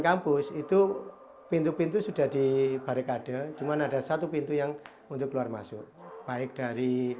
kampus itu pintu pintu sudah di barikade cuman ada satu pintu yang untuk keluar masuk baik dari